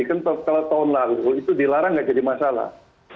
contoh kalau tahun lalu itu dilarang nggak jadi masalah